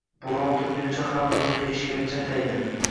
Boʻron turgunicha hamma oʻzini eshkakchi ataydi